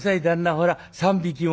ほら３匹も」。